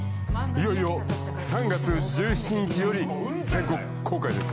いよいよ３月１７日より全国公開です。